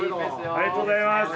ありがとうございます。